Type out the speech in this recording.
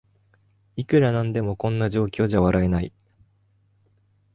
いくらなんでもこんな状況じゃ笑えない